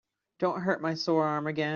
Don't hurt my sore arm again.